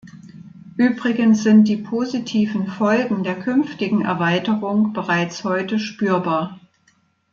Übrigens sind die positiven Folgen der künftigen Erweiterung bereits heute spürbar.